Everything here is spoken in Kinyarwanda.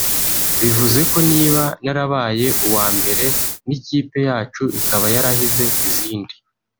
bivuze ko niba narabaye uwa mbere n’ikipe yacu ikaba yarahize izindi